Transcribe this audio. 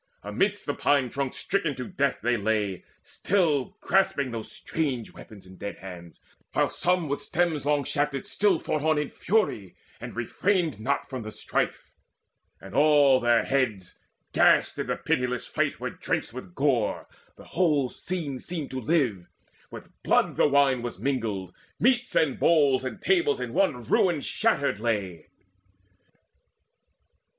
Amidst the pine trunks stricken to death they lay Still grasping those strange weapons in dead hands, While some with stems long shafted still fought on In fury, and refrained not from the strife; And all their heads, gashed in the pitiless fight, Were drenched with gore the whole scene seemed to live With blood the wine was mingled: meats and bowls And tables in one ruin shattered lay.